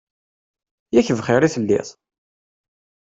Yak bxir i telliḍ!